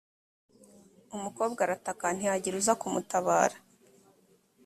umukobwa arataka, ntihagira uza kumutabara!